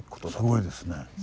すごいですね。